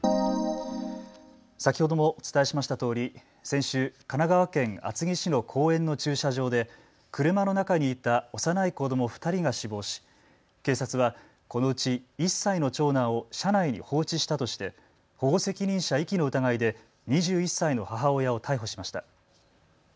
先ほどもお伝えしましたとおり、先週、神奈川県厚木市の公園の駐車場で車の中にいた幼い子ども２人が死亡し、警察はこのうち１歳の長男を車内に放置したとして保護責任者遺棄の疑いで２１歳の母親を逮捕しました。